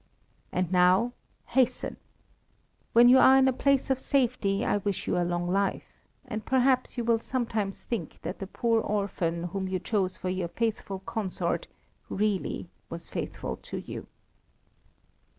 And now hasten. When you are in a place of safety, I wish you a long life; and perhaps you will sometimes think that the poor orphan whom you chose for your faithful consort really was faithful to you."